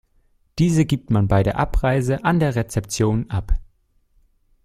Diese gibt man bei der Abreise an der Rezeption ab.